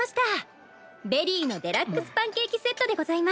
ベリーのデラックスパンケーキセットでございます。